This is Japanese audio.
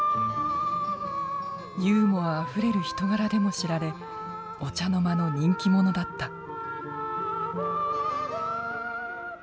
ユーモアあふれる人柄でも知られお茶の間の人気者だった。